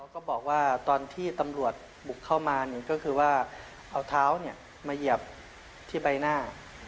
ก็บอกว่าตอนที่ตำรวจบุกเข้ามาก็คือว่าเอาเท้ามาเหยียบที่ใบหน้า